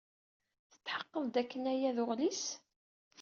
Tetḥeqqed dakken aya d uɣlis?